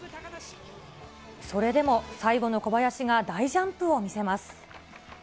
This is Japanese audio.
それでも最後の小林が大ジャンプを見せます。